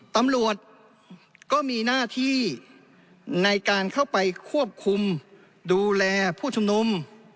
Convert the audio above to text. ตำรวจก็มีหน้าที่ในการเข้าไปควบคุมดูแลผู้ชุมนุม